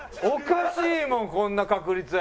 おかしいもんこんな確率。